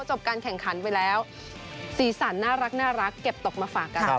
จบการแข่งขันไปแล้วสีสันน่ารักเก็บตกมาฝากกัน